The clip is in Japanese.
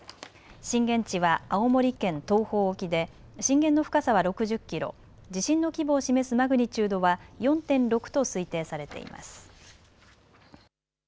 震源地は青森県東方沖で震源の深さは６０キロ、地震の規模を示すマグニチュードは４．６と推定されています。